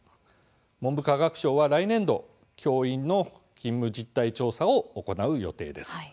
文部科学省は来年度教員の勤務実態調査を行う予定です。